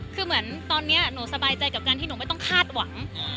คือเหมือนตอนนี้หนูสบายใจกับการที่หนูไม่ต้องคาดหวัง